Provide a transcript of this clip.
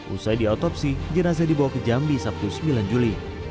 usai diotopsi jenazah dibawa ke jambi sabtu sembilan juli